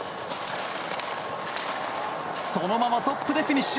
そのままトップでフィニッシュ。